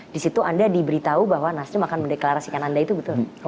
di situ anda diberitahu bahwa nasdem akan mendeklarasikan anda itu betul